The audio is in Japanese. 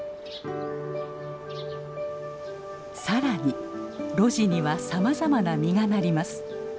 更に露地にはさまざまな実がなります。